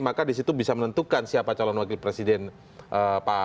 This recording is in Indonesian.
maka disitu bisa menentukan siapa calon wakil presiden pak jokowi